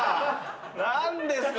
何ですか？